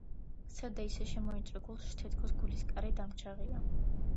სევდა ისე შემოიჭრა გულში, თითქოს გულის კარი დამრჩა ღია